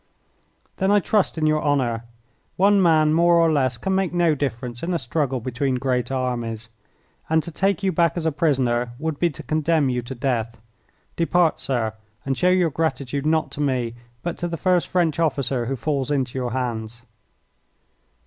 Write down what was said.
"Then I trust in your honour. One man more or less can make no difference in a struggle between great armies, and to take you back as a prisoner would be to condemn you to death. Depart, sir, and show your gratitude not to me, but to the first French officer who falls into your hands."